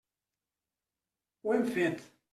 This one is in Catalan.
Ho hem fet.